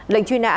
lệnh truy nã